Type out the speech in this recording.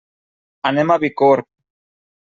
Anem a Bicorb.